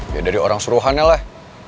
ya dari orang suruhannya lah